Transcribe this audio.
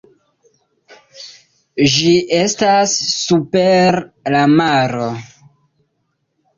Ĝi estas super la maro.